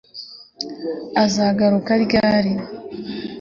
Azagaruka ryari